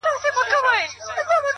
پرمختګ جرئت غواړي؛